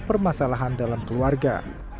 permasalahan dalam keluarga